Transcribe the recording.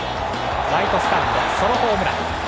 ライトスタンド、ソロホームラン。